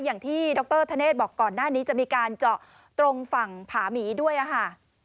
อย่างที่ดรธเนธบอกก่อนหน้านี้จะมีการเจาะตรงฝั่งผาหมีด้วยค่ะ